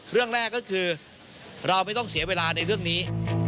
เรื่องแรกก็คือเราไม่ต้องเสียเวลาในเรื่องนี้